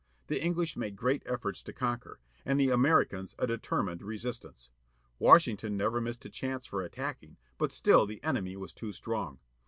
The English made great efforts to conquer. And the Americans a determined resistance. Washington never missed a chance for attacking, but still the enemy was too strong.